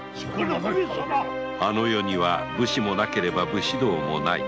あの世には武士もなければ武士道もない